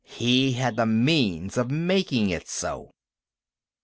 He had the means of making it so!